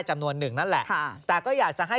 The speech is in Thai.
จำนวนหนึ่งนั่นแหละค่ะแต่ก็อยากจะให้